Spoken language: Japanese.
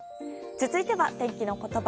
続いては、天気のことば。